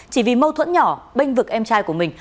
chỉ vì mâu thuẫn nhỏ bênh vực em trai của mình